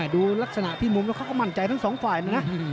ดูลักษณะพี่มุมแล้วเขาก็มั่นใจทั้งสองฝ่ายเลยนะ